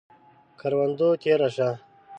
پۀ کروندو تیره شه